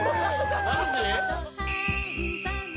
マジ？